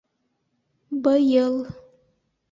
Быйыл.